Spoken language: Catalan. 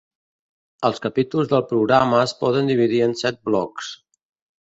Els capítols del programa es poden dividir en set blocs.